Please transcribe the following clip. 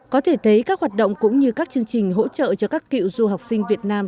có thể thấy các hoạt động cũng như các chương trình hỗ trợ cho các cựu du học sinh việt nam